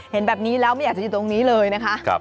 เห็นแบบนี้แล้วไม่อยากจะอยู่ตรงนี้เลยนะคะ